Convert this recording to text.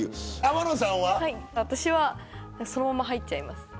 私はそのまま入っちゃいます。